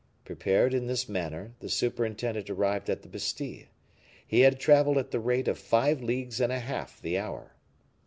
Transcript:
Prepared in this manner, the superintendent arrived at the Bastile; he had traveled at the rate of five leagues and a half the hour.